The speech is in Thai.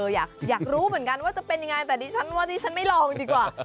อยากรู้เหมือนกันว่าจะเป็นยังไงแต่ดิฉันว่าดิฉันไม่ลองดีกว่า